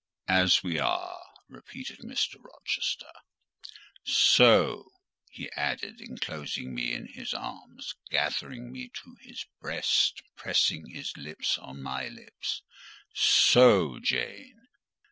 "As we are!" repeated Mr. Rochester—"so," he added, enclosing me in his arms, gathering me to his breast, pressing his lips on my lips: "so, Jane!"